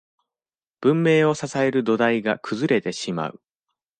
文明を支える土台が崩れてしまう。